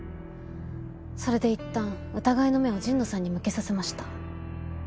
それで一旦疑いの目を神野さんに向けさせました。